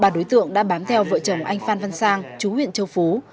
ba đối tượng đã bám theo vợ chồng anh phan văn sang chú huyện châu phú